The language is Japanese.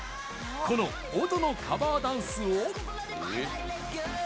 この「踊」のカバーダンスを。